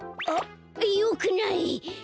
あっよくない！